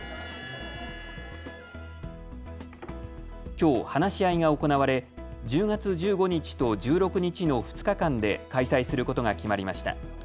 きょう話し合いが行われ１０月１５日と１６日の２日間で開催することが決まりました。